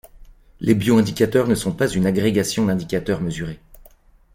Les bioindicateurs ne sont pas une agrégation d’indicateurs mesurés.